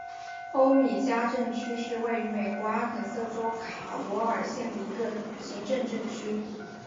欧米加镇区是位于美国阿肯色州卡罗尔县的一个行政镇区。